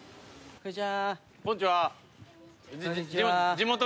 こんちは。